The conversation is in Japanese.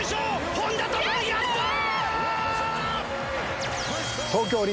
本多灯やったー！